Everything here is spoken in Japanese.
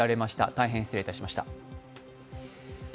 大変、失礼いたしました。